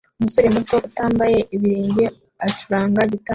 Umusore muto utambaye ibirenge acuranga gitari